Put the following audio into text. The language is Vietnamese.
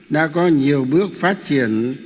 đã có nhiều bước phát triển